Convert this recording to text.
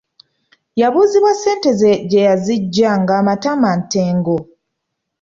Yabuuzibwa ssente gye yaziggya ng’amatama ntengo.